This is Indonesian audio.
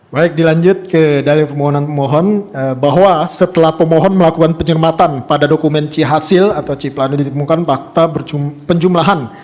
baik dilanjut ke dari pemohonan pemohon bahwa setelah pemohon melakukan penyelamatan pada dokumen c hasil atau c pelanu ditemukan fakta penjumlahan